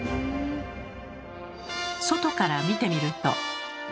外から見てみると。